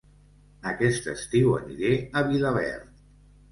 Aquest estiu aniré a Vilaverd